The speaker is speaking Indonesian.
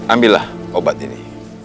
ambillah obat ini